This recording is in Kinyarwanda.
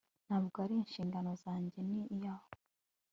ntabwo ari inshingano zanjye. ni iyawe